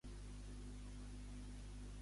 Què va exigir Puigdemont?